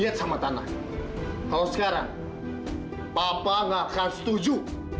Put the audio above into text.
papa gak akan setuju